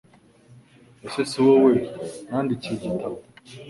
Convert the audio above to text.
Ese si wowe nandikiye igitabo